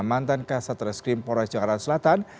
mantan kasat reskrim polres jakarta selatan